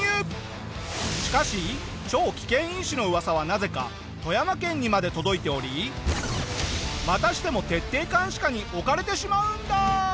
しかし超危険因子の噂はなぜか富山県にまで届いておりまたしても徹底監視下に置かれてしまうんだ！